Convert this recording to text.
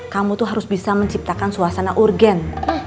kamu tuh harus bisa menciptakan suasana urgen